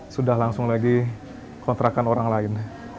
sudah langsung lagi kontrakan orang lain